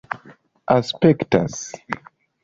aspektas